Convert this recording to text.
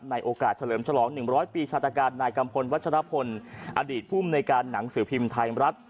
โอกาสเฉลิมฉลอง๑๐๐ปีชาตการนายกัมพลวัชรพลอดีตภูมิในการหนังสือพิมพ์ไทยรัฐ